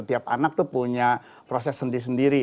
tiap anak tuh punya proses sendiri sendiri